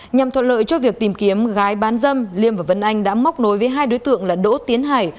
nhằm thuận lợi cho việc tìm kiếm gái bán dâm liêm và vân anh đã móc nối với hai đối tượng là đỗ tiến hải